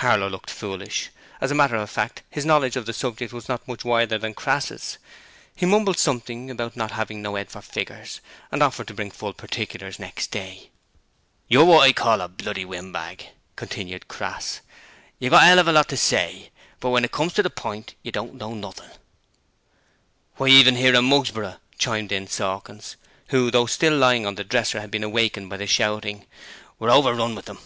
Harlow looked foolish: as a matter of fact his knowledge of the subject was not much wider than Crass's. He mumbled something about not having no 'ed for figures, and offered to bring full particulars next day. 'You're wot I call a bloody windbag,' continued Crass; 'you've got a 'ell of a lot to say, but wen it comes to the point you don't know nothin'.' 'Why, even 'ere in Mugsborough,' chimed in Sawkins who though still lying on the dresser had been awakened by the shouting 'We're overrun with 'em!